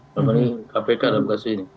kepada kpk dalam kasus ini